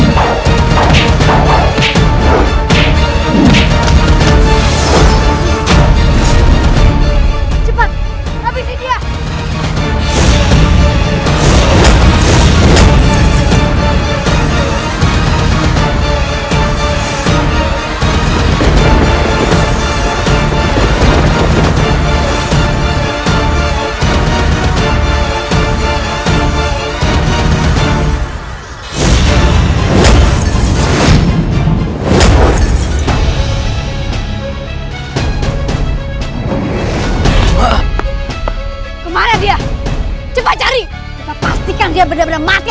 baiklah kalau itu keinginanmu